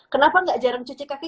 kenapa gak jarang cuci kaki